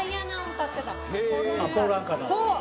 そう！